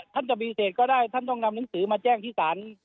ท่านจะปฏิเสธก็ได้ท่านต้องนำหนังสือมาแจ้งที่ศาล